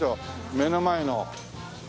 目の前の。